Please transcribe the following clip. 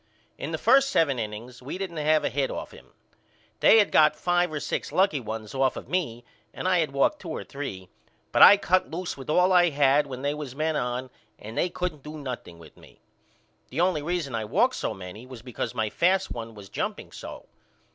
In the first seven innings we didn't have a hit off of him. They had got five or six lucky ones off of me and I had walked two or three, but I cut loose with all I had when they was men on and they couldn't do nothing with me. The only reason I walked so many was because my fast one was jumping so.